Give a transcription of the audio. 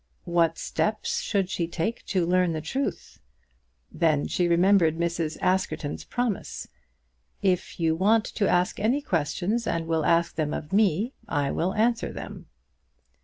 What steps should she take to learn the truth? Then she remembered Mrs. Askerton's promise "If you want to ask any questions, and will ask them of me, I will answer them."